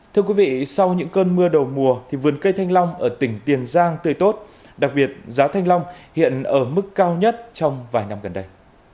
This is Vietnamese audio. thưa quý vị sau những cơn mưa đầu mùa thì vườn cây thanh long ở tỉnh tiền giang tươi tốt đặc biệt giá thanh long hiện ở mức cao nhất trong vài năm gần đây